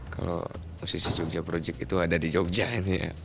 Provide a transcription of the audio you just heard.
kalau musisi jogja project itu ada di jogja ini